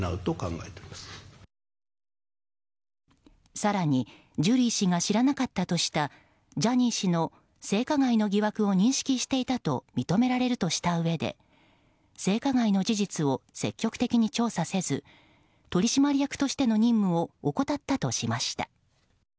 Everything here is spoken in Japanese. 更にジュリー氏が知らなかったとしたジャニー氏の性加害の疑惑を認識していたと認められるとしたうえで性加害の事実を積極的に調査せず取締役としての任務を怠ったとしました。